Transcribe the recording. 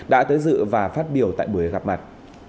đã tới dự và phát biểu tại buổi gặp mặt